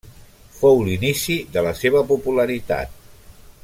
Fou l'inici de la seva popularitat.